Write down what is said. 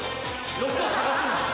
６を探すんですか？